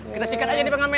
kita sikat aja di panggaman